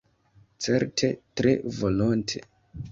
Certe, tre volonte.